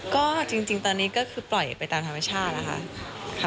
ก็จริงตอนนี้ก็คือปล่อยไปตามธรรมชาติแล้วค่ะ